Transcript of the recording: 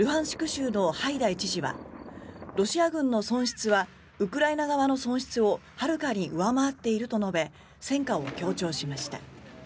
州のハイダイ知事はロシア軍の損失はウクライナ側の損失をはるかに上回っていると述べ戦果を強調しました。